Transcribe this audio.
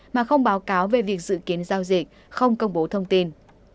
mà không báo cáo về việc dự kiến giao dịch không công bố thông tin